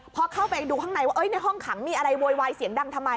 พอเข้าไปดูข้างในว่าในห้องขังมีอะไรโวยวายเสียงดังทำไม